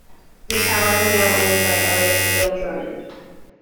The tower is now owned by artist Bill Drummond.